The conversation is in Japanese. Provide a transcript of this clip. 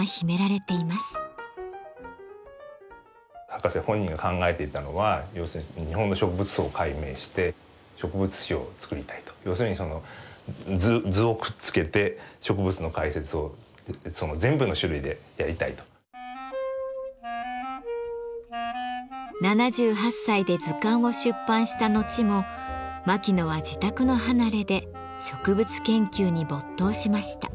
博士本人が考えていたのは要するに７８歳で図鑑を出版した後も牧野は自宅の離れで植物研究に没頭しました。